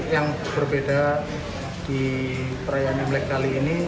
yang berbeda di perayaan imlek kali ini